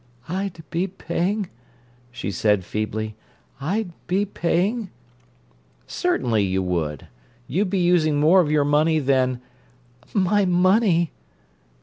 "I'd be paying—" she said feebly. "I'd be paying—" "Certainly you would. You'd be using more of your money than—" "My money!"